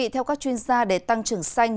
theo các chuyên gia để tăng trưởng xanh